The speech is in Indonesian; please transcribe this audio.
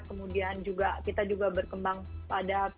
kemudian kita juga berkembang pada